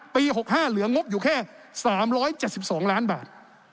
ปี๖๕เหลืองบอยู่แค่๓๗๒ล้านบาท